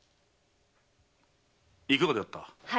いかがであった？